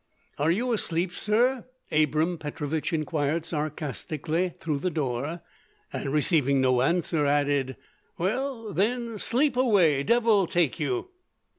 "Are you asleep, sir?" Abram Petrovich inquired sarcastically through the door, and receiving no answer, added: "Well, then, sleep away; devil take you!"